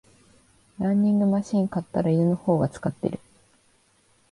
ランニングマシン買ったら犬の方が使ってる